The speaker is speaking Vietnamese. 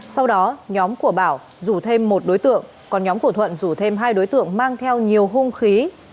sau đó nhóm của bảo rủ thêm một đối tượng còn nhóm của thuận rủ thêm hai đối tượng mang theo nhiều hung khí